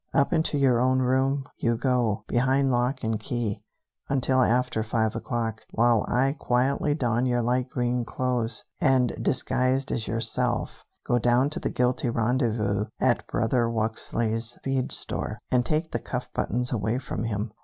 "Up into your own room you go, behind lock and key, until after five o'clock, while I quietly don your light green clothes, and disguised as yourself, go down to the guilty rendezvous at Brother Wuxley's feed store, and take the cuff buttons away from him.